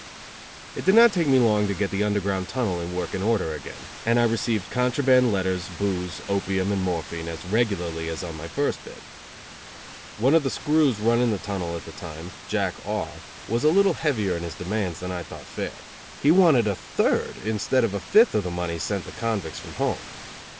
It did not take me long to get the Underground Tunnel in working order again, and I received contraband letters, booze, opium and morphine as regularly as on my first bit. One of the screws running the Tunnel at the time, Jack R , was a little heavier in his demands than I thought fair. He wanted a third instead of a fifth of the money sent the convicts from home.